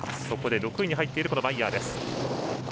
そこで６位に入っているマイヤー。